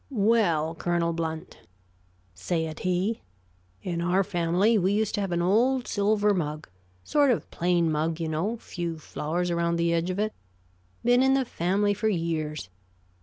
"Well, Colonel Blount," said he, "in our family we used to have an old silver mug sort of plain mug, you know, few flowers around the edge of it been in the family for years.